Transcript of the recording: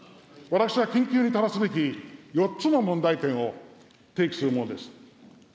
私は緊急にただすべき４つの問題点を提起するものです。